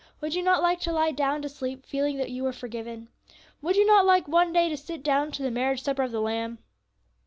Would you not like to lie down to sleep, feeling that you were forgiven? Would you not like one day to sit down to the marriage supper of the Lamb?